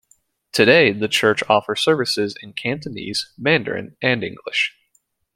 Today the church offers services in Cantonese, Mandarin and English.